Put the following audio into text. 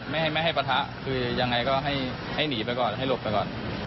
ไม่ให้ไม่ให้ปะทะคือยังไงก็ให้หนีไปก่อนให้หลบไปก่อน